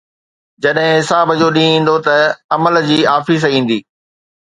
جڏهن حساب جو ڏينهن ايندو ته عمل جي آفيس ايندي